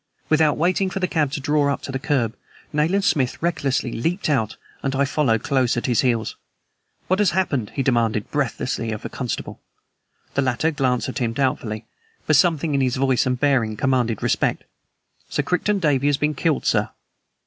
Without waiting for the cab to draw up to the curb, Nayland Smith recklessly leaped out and I followed close at his heels. "What has happened?" he demanded breathlessly of a constable. The latter glanced at him doubtfully, but something in his voice and bearing commanded respect. "Sir Crichton Davey has been killed, sir."